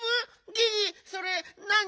ギギそれなに？